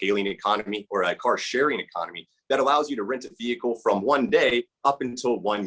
atau ekonomi perbagian mobil yang memungkinkan anda untuk mengusir mobil dari satu hari sampai satu tahun